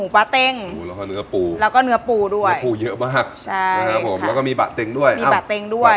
ป๊ะเต้งปูแล้วก็เนื้อปูแล้วก็เนื้อปูด้วยปลาปูเยอะมากใช่นะครับผมแล้วก็มีบะเต็งด้วยมีบะเต็งด้วย